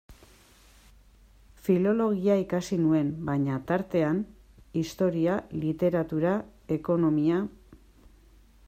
Filologia ikasi nuen, baina, tartean, historia, literatura, ekonomia...